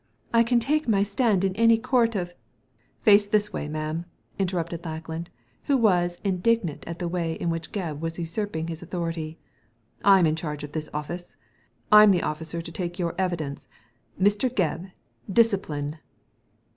''I can take my stand in any court of "" Face this way, ma'am !" interrupted Lackland, who was indignant at the way in which Gebb was usurping his authority. " I'm in charge of this office. I'm the officer to take your evidence. Mr. Gebbl Discipline!"